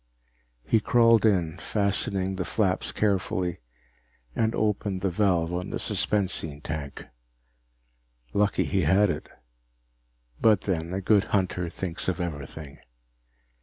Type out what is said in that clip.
He crawled in, fastening the flaps carefully, and opened the valve on the suspensine tank. Lucky he had it but then, a good hunter thinks of everything.